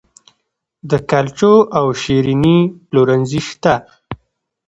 د کلچو او شیریني پلورنځي شته